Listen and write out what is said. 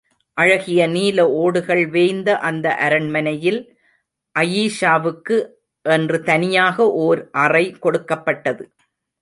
அழகிய நீல ஓடுகள் வேய்ந்த அந்த அரண்மனையில், அயீஷாவுக்கு என்று தனியாக ஓர் அறை கொடுக்கப்பட்டது.